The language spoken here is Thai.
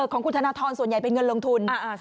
ของคุณธนทรส่วนใหญ่เป็นเงินลงทุน